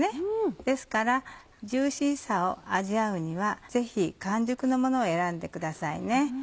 ですからジューシーさを味わうにはぜひ完熟のものを選んでください。